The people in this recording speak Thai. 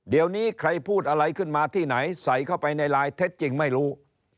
เดี๋ยวนี้ใครพูดอะไรขึ้นมาที่ไหนใส่เข้าไปในไลน์เท็จจริงไม่รู้